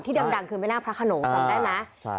ที่ดำดังคือแม่น่าพระขนงจำได้ไหม